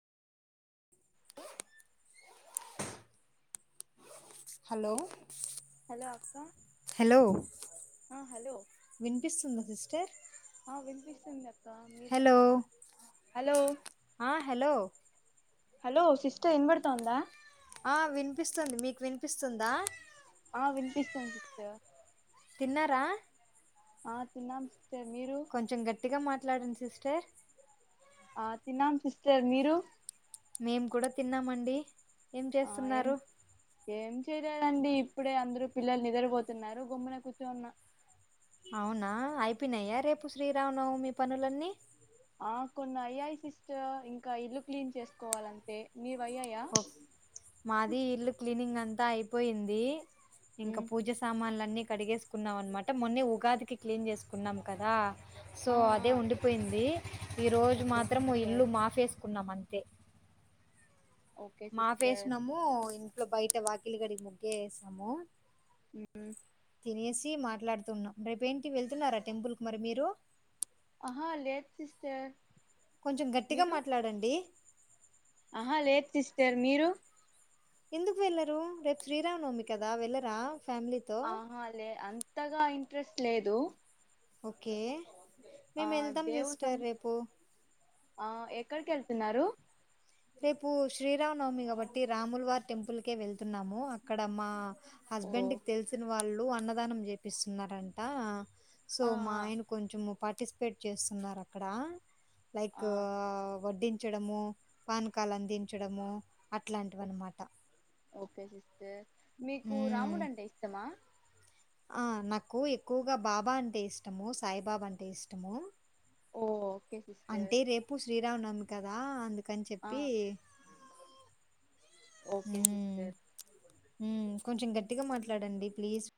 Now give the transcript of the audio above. Hello hello అక్క hello ఆ hello వినిపిస్తుందా సిస్టర్ ఆ వినిపిస్తుంది అక్కా మీరె హలో ఆ హలో, ఆ హలో హలో సిస్టర్ ఇన్బడుతోందా ఆ వినిపిస్తుంది మీకు వినిపిస్తుందా ఆ వినిపిస్తుంద్ సిస్టర్ తిన్నరా ఆ తిన్నాం సిస్టర్ మీరు కొంచెం గట్టిగా మాట్ ట్లాడండ్ సిస్టర్ ఆ తిన్నాం సిస్టర్ మీరూ మేము కూడ తిన్నామండి ఏం ఆ ఏం చేస్తున్నారు ఏం చేయలేదండి ఇప్పుడే అందరు పిల్లలు నిద్రపోతున్నారు గుమ్మున కూర్చోన్న అవునా అయిపోనయా రేపు శ్రీరామనవమి పనులన్నీ ఆ కొన్ని అయ్యాయ్ సిస్టర్, ఇంక ఇల్లు క్లీన్ చేసుకోవాల్ అంతే మీర్ మాది ఇల్లు క్లీనింగ్ అంత అంతా అయిపోయింది. ఇంకా ఉమ్ పూజ సామాన్లుల అన్నీ కడిగేసుకున్నాం, అనమాట మొన్న ఉగాదికి క్లీన్ చేసుకున్నాం, కదా సో ఆ ఆ అదే ఉండిపోయింది. ఈ రోజు ఓకే మాత్రం సిస్టర్ ఇల్లు మాప్ ఎసు అనుకున్నాం అంతే, ఓకే మాప్ సిస్టర్ ఎసినము, ఇంట్లో బయట వాకిలి కడిగి ముగ్గు వేసేసి నము, ఉ వేసి మాట్లాడుతున్నాం, రేపు ఏంటి వెళ్తున్నారా టెంపుల్ కి మీరు ఆహా లేదు సిస్టర్, కొంచెం గట్టిగా మీరు మాట్లాడండి, ఆహా లేదు సిస్టర్, మీరు ఎందుకు వెళ్లరు, రేపు శ్రీరామ నవమి కదా వెళ్లరా! ఆహా లే, అంతగా ఇం ఇంట్రెస్ట్ లేదు, ఓకే ఆ మేము వెళ్తాం దేవుతం సిస్టర్ రేపు ఆ ఎక్కడికి వెళ్తున్నారు. రేపు శ్రీరామ నవమి కాబట్టి రాములువారి టెంపుల్కే వెళ్తున్నాము, అక్కడ మా ఓ హస్బెండ్ కి తెలిసిన వాళ్ళు, అన్నదానం చేపిస్తున్నారంట, సో ఆ మా ఆ ఆయన కొంచెం పాటి, పర్టిసిపేట్ చేస్తున్నారు, అక్కడ లైక్ ఆ, వడ్డీన్ పంచ్చడము, పానకాలు అందించడము, అట్లాంటివి అన్నమాట, ఓకే సిస్ మీకు రాముడు అంటే ఇష్టమ ఆ నాకు ఎక్కువగా బాబా అంటే ఇష్టము సాయిబాబా అంటే ఇష్టము, ఓ ఓకే సిస్టర్ అంటే రేపు శ్రీ శ్రీ రామ నవమి కదా అందుకె కని ఆ చెప్పి, ఓకే సిస్టర్ ఊ కొంచెం గట్టిగా మాట్లాడండి ప్లీజ్